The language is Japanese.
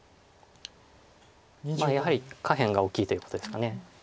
やはり下辺が大きいということですか。